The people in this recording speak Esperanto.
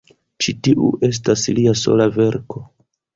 Ĉi tiu estas lia sola verko.